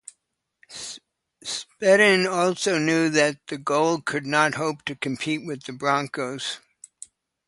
Spedding also knew that the Gold could not hope to compete with the Broncos.